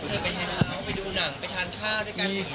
เอิ้นไปดูหนังไปทานข้าวด้วยกัน